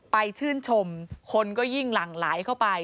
ชื่นชมคนก็ยิ่งหลั่งไหลเข้าไป